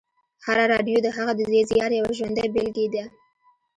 هره راډیو د هغه د زیار یوه ژوندۍ بېلګې ده